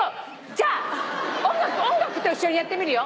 じゃあ音楽音楽と一緒にやってみるよ。